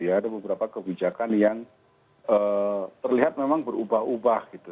ada beberapa kebijakan yang terlihat memang berubah ubah gitu